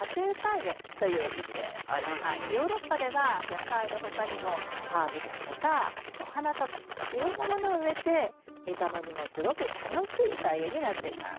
ヨーロッパでは野菜の他にもハーブですとかお花とかいろんなものを植えて見た目にもすごく楽しい菜園になっています。